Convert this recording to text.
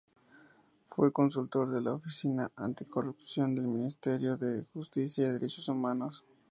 Fue consultor de la Oficina Anticorrupción del Ministerio de Justicia y Derechos Humanos.